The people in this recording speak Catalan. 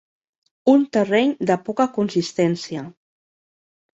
Un terreny de poca consistència.